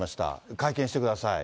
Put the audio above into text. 会見してください。